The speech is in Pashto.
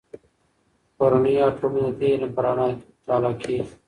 کورنۍ او ټولنې د دې علم په رڼا کې مطالعه کېږي.